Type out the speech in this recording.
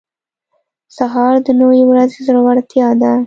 سهار د نوې ورځې زړورتیا ده.